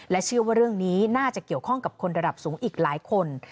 เชื่อว่าเรื่องนี้น่าจะเกี่ยวข้องกับคนระดับสูงอีกหลายคน